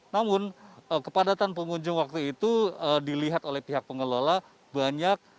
namun kepadatan pengunjung waktu itu dilihat oleh pihak pengelola banyak